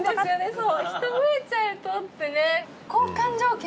そう「人増えちゃうと」ってね。